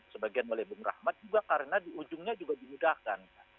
sebagian oleh bung rahmat juga karena di ujungnya juga dimudahkan